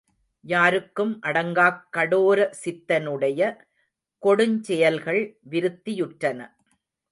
யாருக்கும் அடங்காக் கடோர சித்தனுடைய கொடுஞ் செயல்கள் விருத்தியுற்றன.